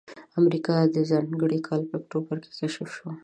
امریکا د ځانګړي کال په اکتوبر کې کشف شوه.